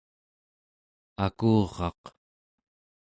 akuraq